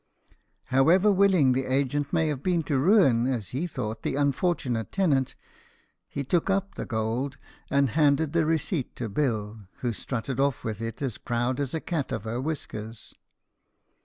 However willing the agent may have been to ruin, as he thought, the unfortunate tenant, he took up the gold, and handed the receipt to Bill, who strutted off with it as proud as a cat of her whiskers.